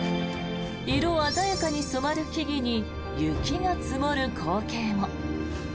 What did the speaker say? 色鮮やかに染まる木々に雪が積もる光景も。